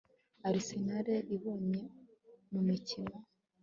Arsenal iyoboye mumikino